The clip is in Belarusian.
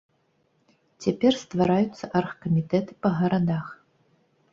Цяпер ствараюцца аргкамітэты па гарадах.